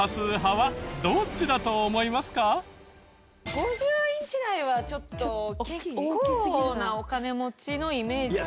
５０インチ台はちょっと結構なお金持ちのイメージですよ。